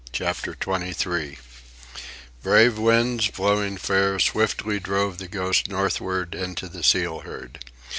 CHAPTER XXIII Brave winds, blowing fair, swiftly drove the Ghost northward into the seal herd.